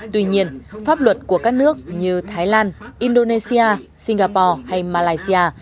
tuy nhiên pháp luật của các nước như thái lan indonesia singapore hay malaysia